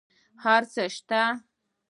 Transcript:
هر څه شته